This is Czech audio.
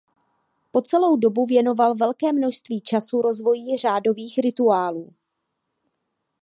Po celou dobu věnoval velké množství času rozvoji řádových rituálů.